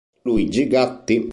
Luigi Gatti